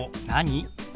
「何？」。